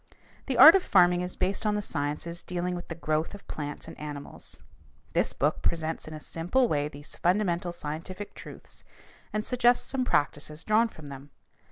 The art of farming is based on the sciences dealing with the growth of plants and animals. This book presents in a simple way these fundamental scientific truths and suggests some practices drawn from them.